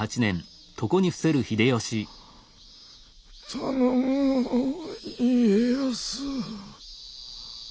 頼むぞ家康。